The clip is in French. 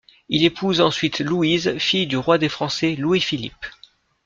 Il épouse ensuite Louise fille du roi des Français Louis-Philippe .